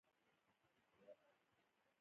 هېڅ امکان نه لري چې دا دې ستا زوی وي.